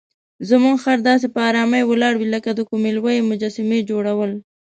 زموږ خر داسې په آرامۍ ولاړ وي لکه د کومې لویې مجسمې جوړول.